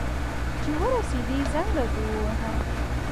چي ورسېدې، زنګ راته ووهه.